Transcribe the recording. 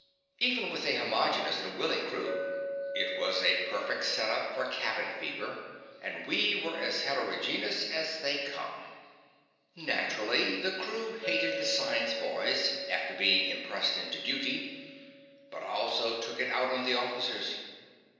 Even with a homogeneous and willing crew, it was a perfect set up for cabin fever, and we were as heterogeneous as they came. Naturally the crew hated the science boys after being impressed into duty, and also took it out on the officers.